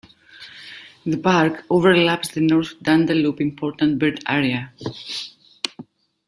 The park overlaps the North Dandalup Important Bird Area.